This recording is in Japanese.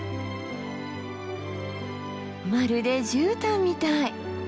まるでじゅうたんみたい。